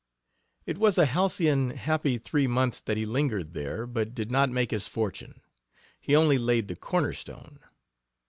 It was a halcyon, happy three months that he lingered there, but did not make his fortune; he only laid the corner stone.